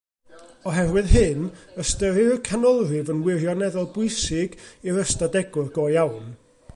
Oherwydd hyn, ystyrir y canolrif yn wirioneddol bwysig i'r ystadegwr go iawn.